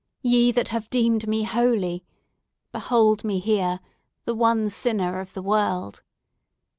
—ye, that have deemed me holy!—behold me here, the one sinner of the world!